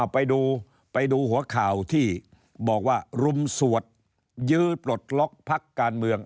ไปดูไปดูหัวข่าวที่บอกว่ารุมสวดยื้อปลดล็อกพักการเมือง